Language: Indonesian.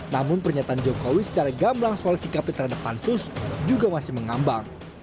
namun pernyataan jokowi secara gamlang soal sikap terhadap pasus juga masih mengambang